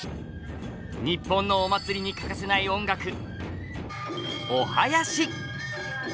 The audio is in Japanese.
日本のお祭りに欠かせない音楽お囃子！